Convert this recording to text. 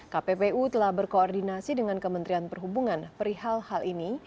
kppu telah berkoordinasi dengan kementerian perhubungan perihal hal ini